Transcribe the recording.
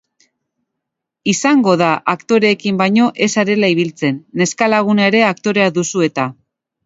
Izango da aktoreekin baino ez zarela ibiltzen, neskalaguna ere aktorea duzu eta.